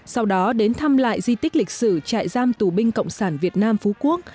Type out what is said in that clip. sau đó đến thăm lại di tích lịch sử trại giam tù binh cộng sản việt nam phú quốc